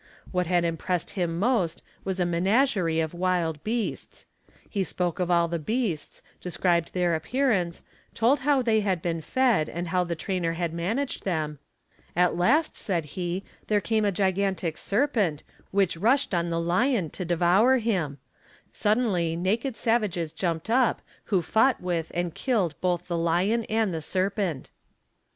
What had _ impressed him most was a menagerie of wild beasts; he spoke of all the beasts, described their appearance, told how they had been fed, and how the trainer had managed them; at last, said he, there came a gigantic serpent which rushed on the lion to devour him ; suddenly naked savages _ jumped up who fought with and killed both the lon and the serpent.